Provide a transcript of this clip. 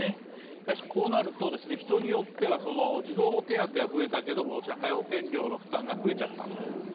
しかし、こうなると人によっては、児童手当は増えたけど社会保険料の負担が増えちゃったと。